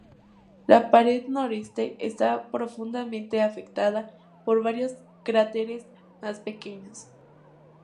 La pared noreste está profundamente afectada por varios cráteres más pequeños.